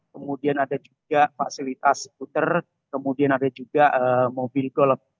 kemudian ada juga fasilitas skuter kemudian ada juga mobil golf